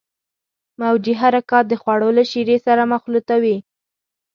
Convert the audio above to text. موجي حرکات د خوړو له شیرې سره مخلوطوي.